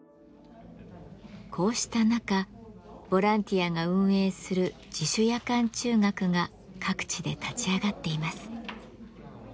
こうしたなかボランティアが運営する自主夜間中学が各地で立ち上がっています。